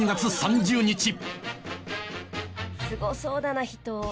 すごそうだな人。